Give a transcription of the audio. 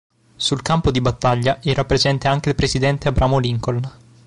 Sul campo di battaglia era presente anche il Presidente Abramo Lincoln.